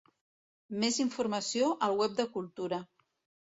Més informació al web de Cultura.